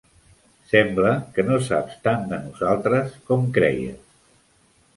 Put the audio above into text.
Sembla que no saps tant de nosaltres com creies.